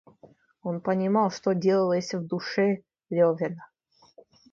Он понимал, что делалось в душе Левина.